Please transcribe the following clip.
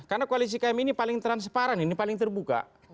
karena koalisi kami ini paling transparan ini paling terbuka